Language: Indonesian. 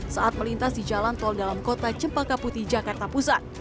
saat melintas di jalan tol dalam kota cempaka putih jakarta pusat